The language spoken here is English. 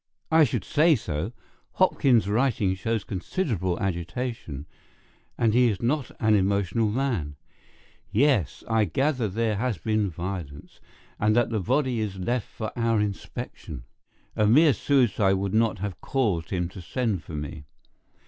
"I should say so. Hopkins's writing shows considerable agitation, and he is not an emotional man. Yes, I gather there has been violence, and that the body is left for our inspection. A mere suicide would not have caused him to send for me.